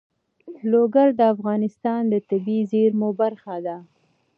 لوگر د افغانستان د طبیعي زیرمو برخه ده.